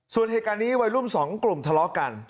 ส่วนเหตุการณ์นี้วัยรุ่น๒กลุ่มทะเลาะกัน